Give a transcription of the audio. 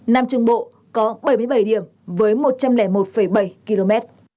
nam trung bộ có bảy mươi bảy điểm với một trăm linh một bảy km